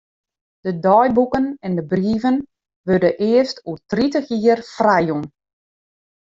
De deiboeken en de brieven wurde earst oer tritich jier frijjûn.